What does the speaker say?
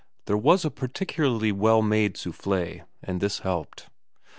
There was a particularly well made souffle, and this helped.